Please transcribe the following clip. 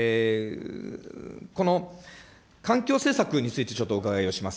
この環境施策についてちょっとお伺いをします。